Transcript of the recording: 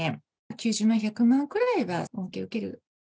９０１００万円くらいは恩恵を受ける。